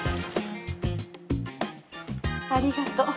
ありがとう。